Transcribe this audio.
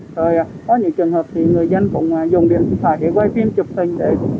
rồi có những trường hợp thì người dân cũng dùng điện thoại để quay phim chụp tình